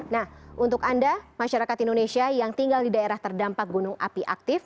nah untuk anda masyarakat indonesia yang tinggal di daerah terdampak gunung api aktif